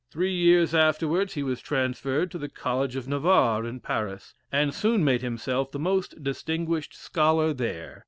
Three years afterwards, he was transferred to the College of Navarre, in Paris, and soon made himself the most distinguished scholar there.